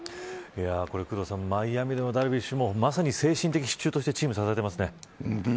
工藤さん、マイアミでもダルビッシュまさに精神的支柱としてチームを支えてますね。